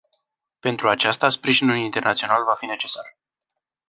Pentru aceasta, sprijinul internațional va fi necesar.